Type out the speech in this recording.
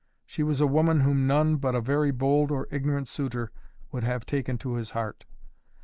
She was a woman whom none but a very bold or ignorant suitor would have taken to his heart.